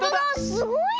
すごいね！